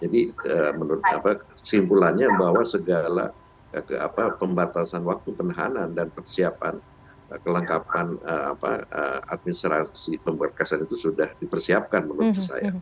jadi menurut saya simpulannya bahwa segala pembatasan waktu penahanan dan persiapan kelengkapan administrasi pemberkasan itu sudah dipersiapkan menurut saya